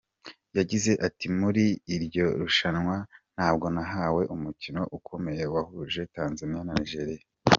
Yagize ati “Muri iryo rushanwa nabwo nahawe umukino ukomeye wahuje Tanzania na Nigeria.